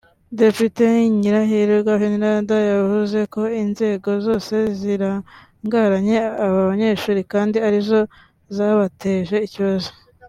Depite Nyirahirwa Veneranda yavuze ko inzego zose zarangaranye aba banyeshuri kandi ari zo zabateje ikibazo